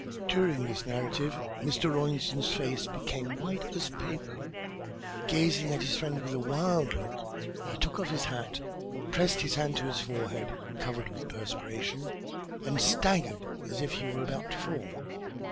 During this narrative Mr. Rawlinson's face became white as paper. Gazing at his friend with a wild look, he took off his hat, pressed his hand to his forehead, covered with perspiration, and staggered as if he were about to fall.